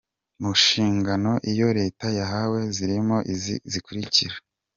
Mu nshingano iyo leta yahawe zirimo izi zikurikira:.